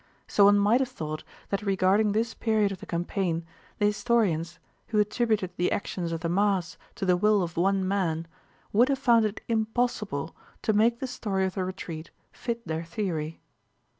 So one might have thought that regarding this period of the campaign the historians, who attributed the actions of the mass to the will of one man, would have found it impossible to make the story of the retreat fit their theory.